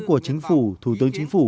của chính phủ thủ tướng chính phủ